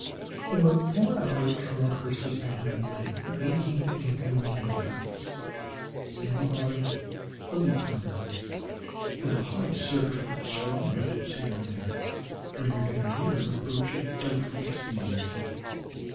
In about four hours from our first discovering the land we came to anchor in ten fathoms, sandy bottom, a league from the coast, as a high surf, with strong ripples here and there, rendered a nearer approach of doubtful expediency.